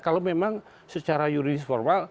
kalau memang secara yuridis formal